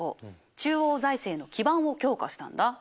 中央財政の基盤を強化したんだ。